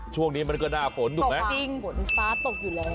ช่วงนี้มันก็หน้าฝนถูกไหมจริงฝนฟ้าตกอยู่แล้ว